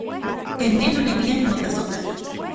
Ken ne noneuian nimotlasojtla.